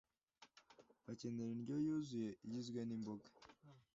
bakenera indyo yuzuye igizwe n’imboga,